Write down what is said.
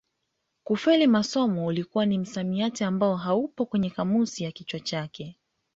Kufeli masomo ulikuwa ni msamiati ambao haupo kwenye kamusi ya kichwa chake